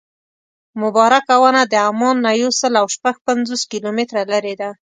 مبارکه ونه د عمان نه یو سل او شپږ پنځوس کیلومتره لرې ده.